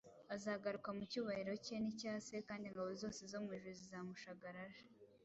Azagaruka mu cyubahiro cye n’icya Se kandi ingabo zose zo mu ijuru zizamushagara aje.